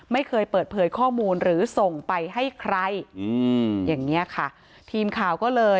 ไม่เคยเปิดเผยข้อมูลหรือส่งไปให้ใครอืมอย่างนี้ค่ะ